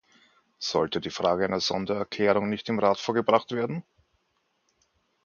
Sollte die Frage einer Sondererklärung nicht im Rat vorgebracht werden?